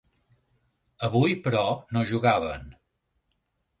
Avui, però, no jugaven.